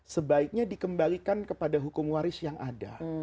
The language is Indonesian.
sebaiknya dikembalikan kepada hukum waris yang ada